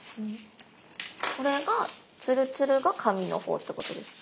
これがツルツルが紙のほうってことですか？